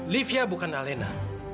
livia bukan alena